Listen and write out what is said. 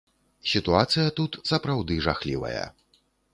Сітуацыя тут сапраўды жахлівая.